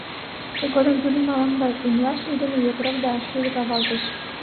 Тыгодым тудым ала-могай умылаш лийдыме йокрок да шӱлык авалтыш.